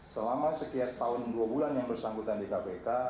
selama sekian setahun dua bulan yang bersangkutan di kpk